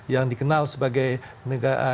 yang dikenal sebagai negara